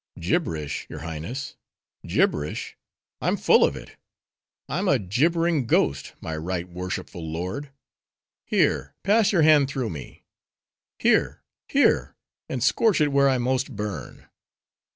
"Gibberish, your Highness? Gibberish? I'm full of it—I'm a gibbering ghost, my right worshipful lord! Here, pass your hand through me— here, here, and scorch it where I most burn.